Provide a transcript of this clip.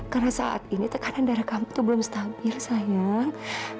karena saat ini tekanan darah kamu belum stabil sayang